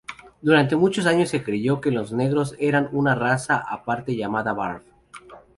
Durante muchos años se creyó que los negros eran una raza aparte llamada barb.